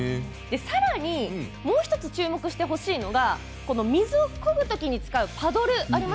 さらに、もう１つ注目してほしいのが水をこぐときに使うパドルありますよね。